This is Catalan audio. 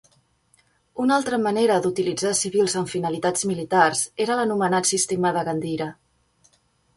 Una altra manera d'utilitzar civils amb finalitats militars era l'anomenat sistema de "Gandira".